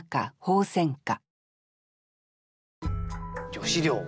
女子寮。